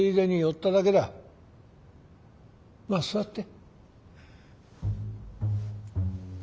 まあ座って。